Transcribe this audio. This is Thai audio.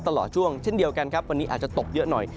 ตลอดช่วงเช่นเดียวกันครับวันนี้อาจจะตกเยอะหน่อย